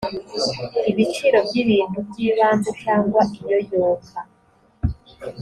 ibiciro by ibintu by ibanze cyangwa iyoyoka